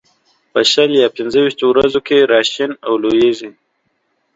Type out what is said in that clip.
په شل یا پنځه ويشتو ورځو کې را شین او لوېږي.